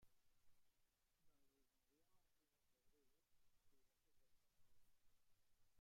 Don Luis María Martínez Rodríguez, pide su reapertura.